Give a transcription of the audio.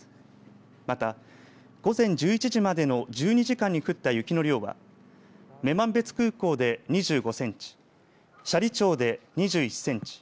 また、午前１１時までの１２時間に降った雪の量は女満別空港で２５センチ斜里町で２１センチ